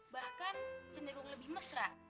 bahkan cenderung lebih mesra